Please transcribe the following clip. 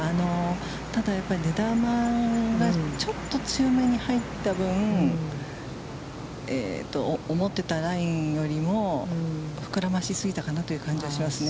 ただ、やっぱり目玉がちょっと強めに入った分、思ってたライン寄りも膨らましすぎたかなという感じがしますよね。